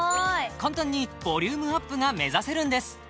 簡単にボリュームアップが目指せるんです